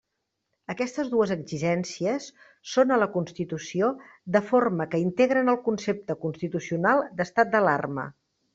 Aquestes dues exigències són a la Constitució, de forma que integren el concepte constitucional d'estat d'alarma.